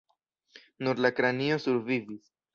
Nur la kranio survivis.